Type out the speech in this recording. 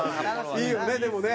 いいよねでもね。